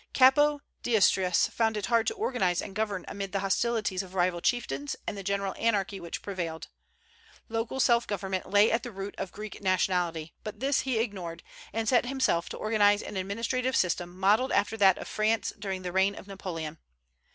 Capo d'Istrias found it hard to organize and govern amid the hostilities of rival chieftains and the general anarchy which prevailed. Local self government lay at the root of Greek nationality; but this he ignored, and set himself to organize an administrative system modelled after that of France during the reign of Napoleon.